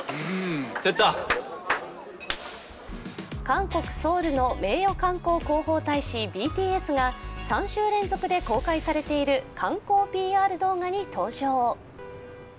韓国・ソウルの名誉観光広報大使ＢＴＳが３週連続で公開されている観光ＰＲ動画に登場。